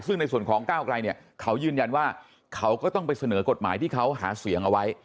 ซึ่งในส่วนของก้าวไกลเนี่ยเขายืนยันว่าเขาก็ต้องไปเสนอกฎหมายที่เขาหาเสียงเอาไว้